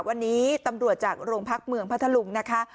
วันนี้ตำรวจจากโรงพักเมืองพัทธลุงนะคะ